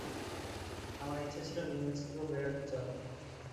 আমার ইচ্ছা ছিল নিউ মেক্সিকো বেড়াতে যাওয়ার।